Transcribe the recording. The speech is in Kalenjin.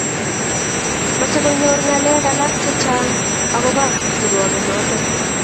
meche kunyoru ng'alek alak chechang' akobo kirwoke noto